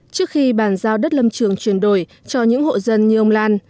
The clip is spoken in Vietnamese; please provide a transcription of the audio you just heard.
trước khi bàn giao đất lâm trường chuyển đổi cho những hộ dân như ông lan